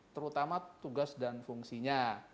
terutama tugas dan fungsinya